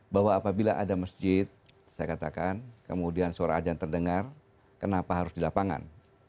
bahwa apabila ada masjid saya katakan kemudian suara ajan terdengar kenapa harus di lapangan